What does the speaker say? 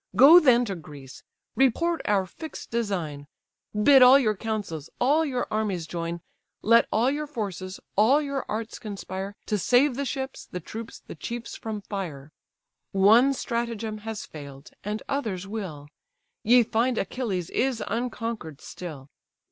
Go then to Greece, report our fix'd design; Bid all your counsels, all your armies join, Let all your forces, all your arts conspire, To save the ships, the troops, the chiefs, from fire. One stratagem has fail'd, and others will: Ye find, Achilles is unconquer'd still.